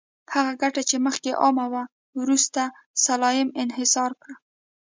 هغه ګټه چې مخکې عامه وه، وروسته سلایم انحصار کړه.